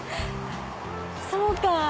そうか！